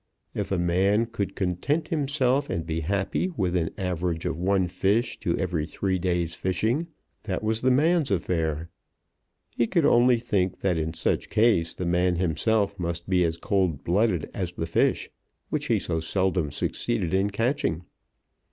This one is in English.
If a man could content himself and be happy with an average of one fish to every three days' fishing, that was the man's affair. He could only think that in such case the man himself must be as cold blooded as the fish which he so seldom succeeded in catching.